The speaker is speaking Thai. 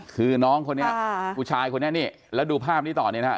คือน้องคนนี้ผู้ชายคนนี้นี่แล้วดูภาพนี้ต่อเนี่ยนะฮะ